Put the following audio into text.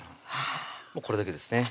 もうこれだけですね